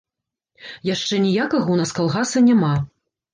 Яшчэ ніякага ў нас калгаса няма.